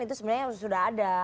itu sebenarnya sudah ada